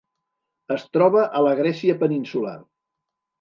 Es troba a la Grècia peninsular.